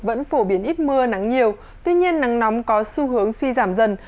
vẫn phổ biến ít mưa nắng nhiều tuy nhiên nắng nóng có xu hướng suy giảm dần